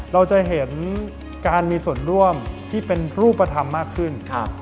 เราจะเห็นการมีส่วนร่วมที่เป็นรูปธรรมมากขึ้น